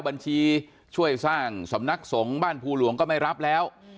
บัญชีช่วยสร้างสำนักสงฆ์บ้านภูหลวงก็ไม่รับแล้ว